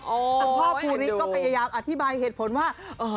คุณพ่อภูริก็พยายามอธิบายเหตุผลว่า